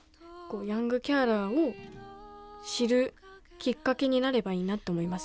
ヤングケアラーを知るきっかけになればいいなって思います